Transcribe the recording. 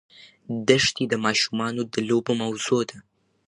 دښتې د ماشومانو د لوبو موضوع ده.